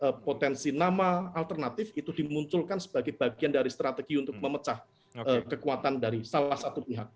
dan potensi nama alternatif itu dimunculkan sebagai bagian dari strategi untuk memecah kekuatan dari salah satu pihak